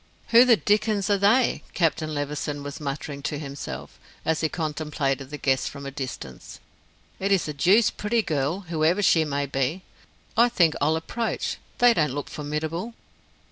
"Who the dickens are they?" Captain Levison was muttering to himself, as he contemplated the guests from a distance. "It's a deuced pretty girl, whoever she may be. I think I'll approach, they don't look formidable."